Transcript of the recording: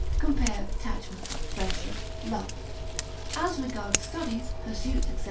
Compare ATTACHMENT; FRIENDSHIP; LOVE. As regards studies, pursuits, etc.